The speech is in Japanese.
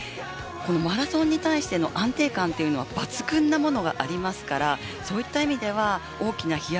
マラソンに対しての安定感は抜群なものがありますからそういう意味では大きな飛躍